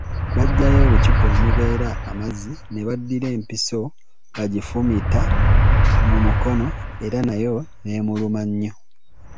Bajjayo obucupa omubeera amazzi ne baddira empiso bagifumita mu mukono era nayo neemuluma nnyo.